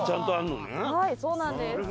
はいそうなんです。